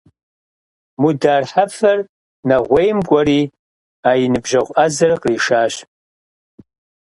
Мудар Хьэфэр Нэгъуейм кӀуэри а и ныбжьэгъу Ӏэзэр къришащ.